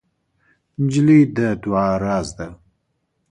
نجلۍ د دعا راز ده.